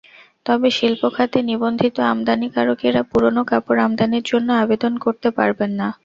তবে শিল্প খাতে নিবন্ধিত আমদানিকারকেরা পুরোনো কাপড় আমদানির জন্য আবেদন করতে পারবেন না।